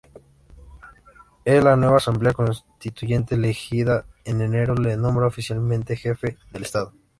El la nueva asamblea constituyente elegida en enero le nombra oficialmente jefe del Estado.